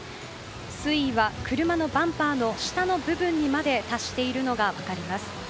水位は車のバンパーの下の部分にまで達しているのが分かります。